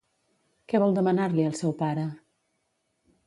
Què vol demanar-li al seu pare?